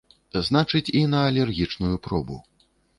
Значыць, і на алергічную пробу.